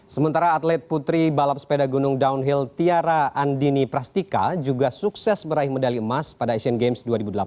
sementara atlet putri balap sepeda gunung downhill tiara andini prastika juga sukses meraih medali emas pada asian games dua ribu delapan belas